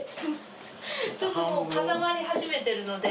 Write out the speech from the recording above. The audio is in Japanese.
ちょっともう固まり始めてるので。